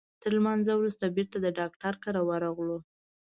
تر لمانځه وروسته بیرته د ډاکټر کره ورغلو.